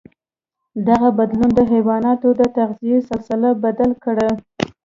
دغه بدلون د حیواناتو د تغذيې سلسله بدل کړه.